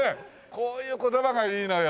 こういう言葉がいいのよ。